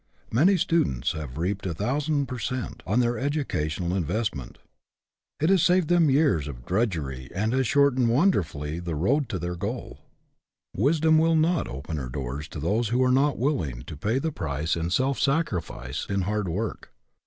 Many students have reaped a thousand per cent, on their educational invest ment. It has saved them years of drudgery and has shortened wonderfully the road to their goal. Wisdom will not open her doors to those who are not willing to pay the price in self sacrifice, in hard work.